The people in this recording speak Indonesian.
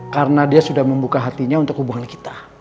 karena dia sudah membuka hatinya untuk hubungan kita